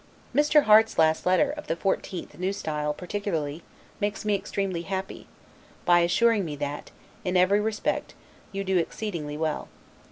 Mr. Harte's last letter, of the 14th, N. S., particularly, makes me extremely happy, by assuring me that, in every respect, you do exceedingly well.